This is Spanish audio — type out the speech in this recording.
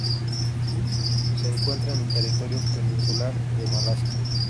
Se encuentra en el territorio peninsular de Malasia.